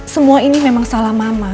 semua ini memang salah mama